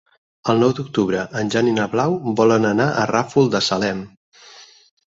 El nou d'octubre en Jan i na Blau volen anar al Ràfol de Salem.